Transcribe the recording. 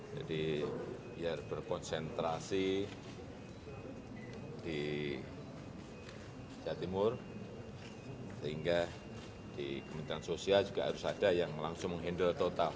jadi biar berkonsentrasi di jawa timur sehingga di kementerian sosial juga harus ada yang langsung menghendal total